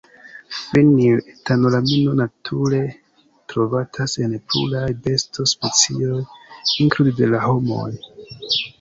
Fenil-etanolamino nature trovatas en pluraj besto-specioj, inklude de la homoj.